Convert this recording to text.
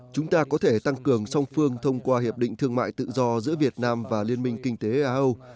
chúng ta có thể tăng cường song phương thông qua hiệp định thương mại tự do giữa việt nam và liên minh kinh tế a âu